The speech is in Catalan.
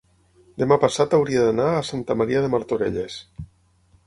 demà passat hauria d'anar a Santa Maria de Martorelles.